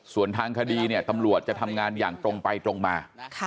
ส่วนทางคดีเนี่ยตำรวจจะทำงานอย่างตรงไปตรงมา